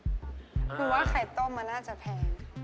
คือว่าไข่ต้มมันน่าจะแพง